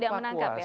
tidak menangkap ya